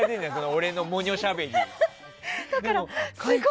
俺のモニョしゃべり。